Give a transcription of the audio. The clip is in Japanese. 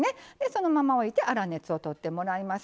そのまま置いて粗熱をとってもらいます。